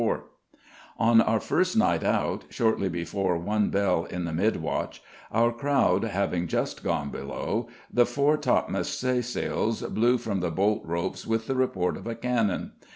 [Illustration: Fred] On our first night out, shortly before one bell in the mid watch, our crowd having just gone below, the fore topmast stays'l blew from the bolt ropes with the report of a cannon.